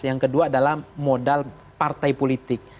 yang kedua adalah modal partai politik